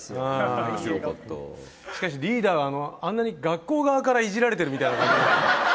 しかしリーダー、あんなに学校側からいじられてるみたいな。